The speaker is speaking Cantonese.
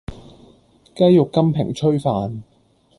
雞肉金平炊飯